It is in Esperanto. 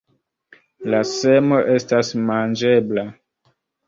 La semo estas manĝebla.